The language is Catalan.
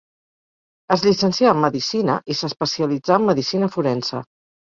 Es llicencià en medicina i s'especialitzà en medicina forense.